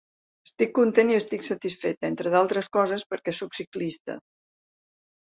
Estic content i estic satisfet, entre d’altres coses, perquè sóc ciclista.